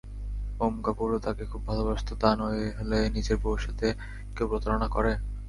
ওম কাপুরও তাকে খুব ভালবাসত তা নাহলে নিজের বউয়ের সাথে কেউ প্রতারণা করে?